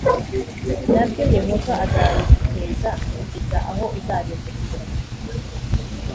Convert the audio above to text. na byo yehova azabiguteza kugeza aho uzarimbukira